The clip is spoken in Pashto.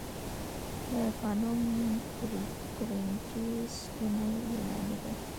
د آی خانم کورینتی ستونې یوناني دي